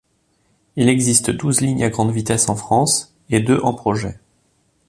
Il existe douze lignes à grande vitesse en France, et deux en projet.